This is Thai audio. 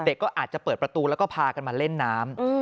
ก็อาจจะเปิดประตูแล้วก็พากันมาเล่นน้ำ